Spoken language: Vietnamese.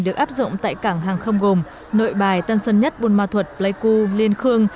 được áp dụng tại cảng hàng không gồm nội bài tân sơn nhất bôn ma thuật pleiku liên khương